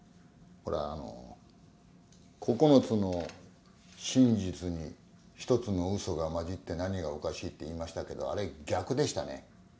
ほらあの９つの真実に一つのうそが混じって何がおかしいって言いましたけどあれ逆でしたね。